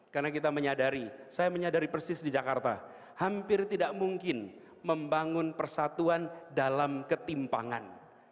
karena kita menyadari saya menyadari persis di jakarta hampir tidak mungkin membangun persatuan dalam ketimpangan